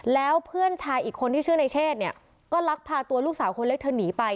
แล้วเพื่อนชายอีกคนที่ชื่อในเชศเนี่ยก็ลักพาตัวลูกสาวคนเล็กเธอหนีไป